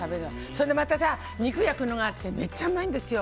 それで、肉焼くのがめっちゃうまいんですよ。